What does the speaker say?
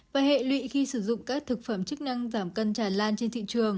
và hệ lụy khi sử dụng các thực phẩm chức năng giảm cân tràn lan trên thị trường